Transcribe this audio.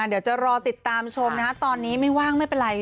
เดี๋ยวจะรอติดตามชมนะคะตอนนี้ไม่ว่างไม่เป็นไร